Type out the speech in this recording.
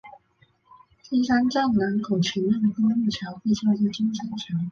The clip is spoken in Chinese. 金山站南口前面的公路桥被叫做金山桥。